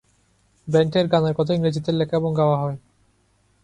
ব্যান্ডটির গানের কথা ইংরেজিতে লেখা এবং গাওয়া হয়।